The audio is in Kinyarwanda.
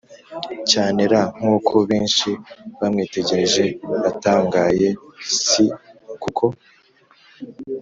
cyane r Nk uko benshi bamwitegereje batangaye s kuko